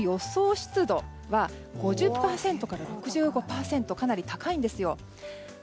湿度は５０％から６５％とかなり高いんですよ。